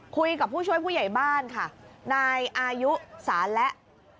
คุยกับผู้ช่วยผู้ใหญ่บ้านค่ะนายอายุสาและ